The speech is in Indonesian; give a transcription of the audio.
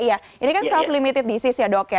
iya ini kan self limited disease ya dok ya